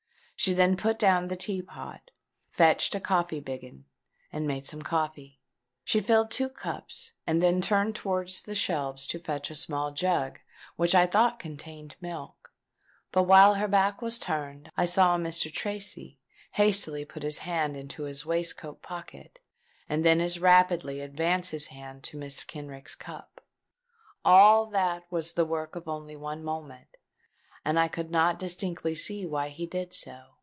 She then put down the tea pot, fetched a coffee biggin, and made some coffee. She filled two cups, and then turned towards the shelves to fetch a small jug, which I thought contained milk. But while her back was turned, I saw Mr. Tracy hastily put his hand into his waistcoat pocket, and then as rapidly advance his hand to Mrs. Kenrick's cup. All that was the work of only one moment; and I could not distinctly see why he did so.